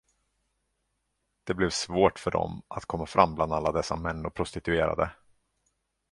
Det blev svårt för dem att komma fram bland alla dessa män och prostituerade.